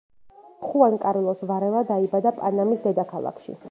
ხუან კარლოს ვარელა დაიბადა პანამის დედაქალაქში.